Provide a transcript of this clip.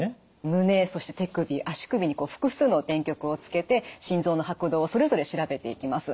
胸そして手首足首に複数の電極をつけて心臓の拍動をそれぞれ調べていきます。